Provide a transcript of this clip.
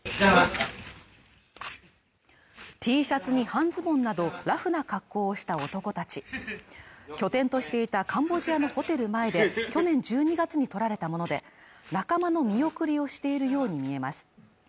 Ｔシャツに半ズボンなどラフな格好をした男たち拠点としていたカンボジアのホテル前で去年１２月に撮られたもので、仲間の見送りをしているように見えます。